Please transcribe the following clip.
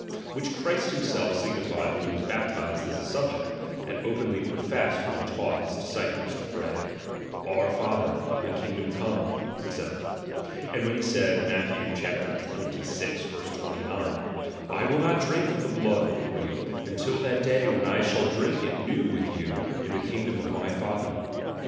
Which Christ himself signified when he was baptized as a subject, and openly professed when he taught his disciples to pray, Onr Father, thy kingdom come, &c. : and when he said (Matth. xxvi. 29) :/ mil not drink of the blood of the grape, until tJutt day when I shall drink it new with you in the kingdom of my Father.